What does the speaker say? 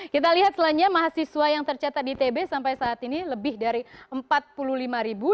kita lihat selanjutnya mahasiswa yang tercatat di itb sampai saat ini lebih dari empat puluh lima ribu